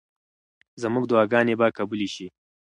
زموږ دعاګانې به قبولې شي.